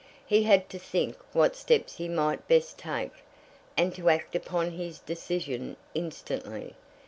He had to think what steps he might best take, and to act upon his decision instantly.